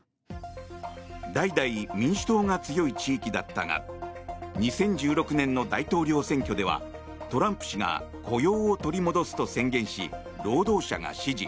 代々、民主党が強い地域だったが２０１６年の大統領選挙ではトランプ氏が雇用を取り戻すと宣言し労働者が支持。